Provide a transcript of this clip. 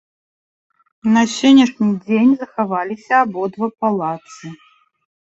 На сённяшні дзень захаваліся абодва палацы.